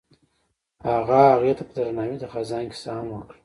هغه هغې ته په درناوي د خزان کیسه هم وکړه.